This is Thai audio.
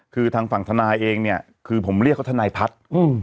คือทางฝั่งทนายเองเนี่ยคือผมเรียกเขาทนายพัฒน์